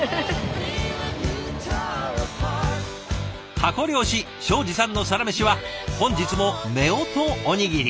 タコ漁師庄司さんのサラメシは本日もめおとおにぎり。